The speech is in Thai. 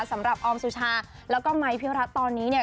สำหรับออมสุชาแล้วก็ไมค์พิวรัฐตอนนี้เนี่ย